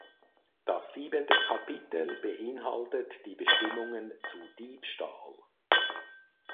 Das siebente Kapitel beinhaltet die Bestimmungen zu Diebstahl.